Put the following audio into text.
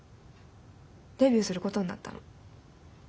デビューすることになったの。